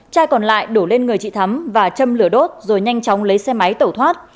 trai còn lại đổ lên người chị thắm và châm lửa đốt rồi nhanh chóng lấy xe máy tẩu thoát